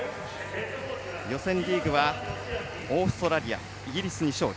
予選リーグはオーストラリア、イギリスに勝利。